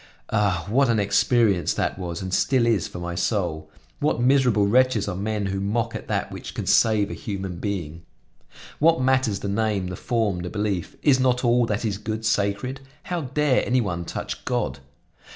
Ah! what an experience that was, and still is, for my soul! What miserable wretches are men who mock at that which can save a human being! What matters the name, the form, the belief? Is not all that is good sacred? How dare any one touch God?